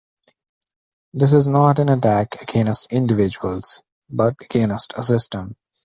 This is not an attack against individuals, but against a system.